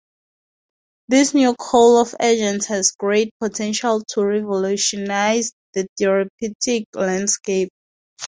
This new call of agents has great potential to revolutionize the therapeutic landscape.